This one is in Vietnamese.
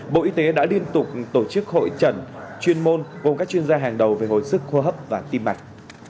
bộ y tế đã liên tục tổ chức hội trận chuyên môn gồm các chuyên gia hàng đầu về hồi sức hô hấp và tim mạch